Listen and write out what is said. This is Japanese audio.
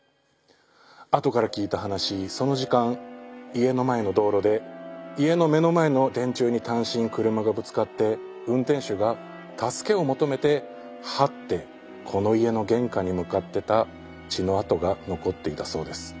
後から聞いた話その時間家の前の道路で家の目の前の電柱に単身車がぶつかって運転手が助けを求めて這ってこの家の玄関に向かってた血の痕が残っていたそうです。